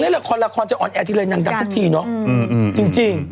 เล่นลาครลาครจะออนแอร์ทีเลยนางดังทุกทีเนอะอืมจริง